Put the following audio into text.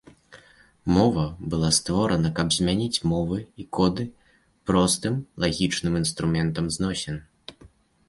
Мова была створана каб замяніць мовы і коды простым, лагічным інструментам зносін.